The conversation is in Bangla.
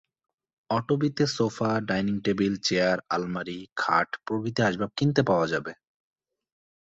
অটবিতে সোফা, ডাইনিং টেবিল, চেয়ার, আলমারি, খাট প্রভৃতি আসবাব কিনতে পাওয়া যাবে।